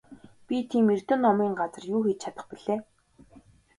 Би тийм эрдэм номын газар юу хийж чадах билээ?